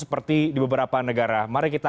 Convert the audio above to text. seperti di beberapa negara mari kita